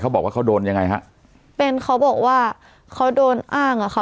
บอกว่าเขาโดนยังไงฮะเป็นเขาบอกว่าเขาโดนอ้างอ่ะค่ะ